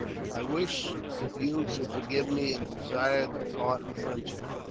I wish you to forgive me, and desire to part in friendship.